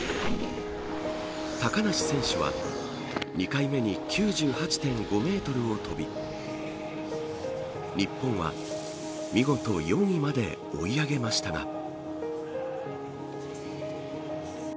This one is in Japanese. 高梨選手は２回目に９８．５メートルを飛び日本は見事４位まで追い上げましたが。